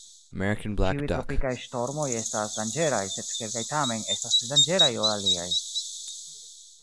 Ĉiuj tropikaj ŝtormoj estas danĝeraj, sed kelkaj tamen estas pli danĝeraj ol aliaj.